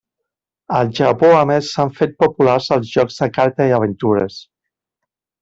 Al Japó a més s'han fet populars els jocs de carta i aventures.